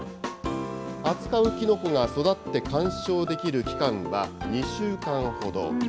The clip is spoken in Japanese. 扱うきのこが育って観賞できる期間は２週間ほど。